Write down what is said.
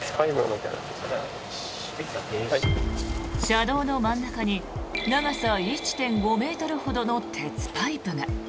車道の真ん中に長さ１．５ｍほどの鉄パイプが。